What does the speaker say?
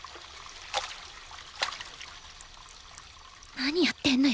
何やってんのよ